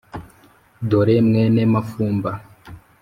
dore mwene mafumba